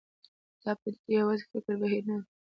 دا پدیده یوازې فکري بهیر نه ده.